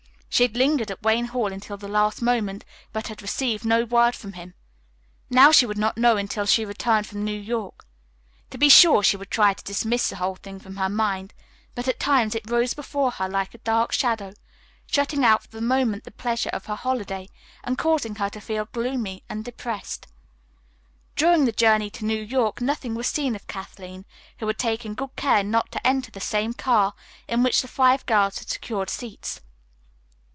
She had lingered at Wayne Hall until the last moment, but had received no word from him. Now she would not know until she returned from New York. To be sure, she would try to dismiss the whole thing from her mind, but at times it rose before her like a dark shadow, shutting out for the moment the pleasure of her holiday, and causing her to feel gloomy and depressed. During the journey to New York nothing was seen of Kathleen, who had taken good care not to enter the same car in which the five girls had secured seats.